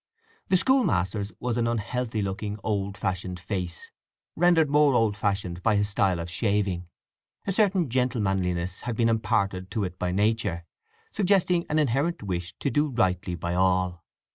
The schoolmaster's was an unhealthy looking, old fashioned face, rendered more old fashioned by his style of shaving. A certain gentlemanliness had been imparted to it by nature, suggesting an inherent wish to do rightly by all.